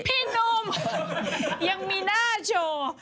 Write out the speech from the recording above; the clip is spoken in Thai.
หนุ่มยังมีหน้าโชว์